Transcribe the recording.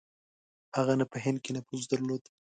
هغه نه په هند کې نفوذ درلود.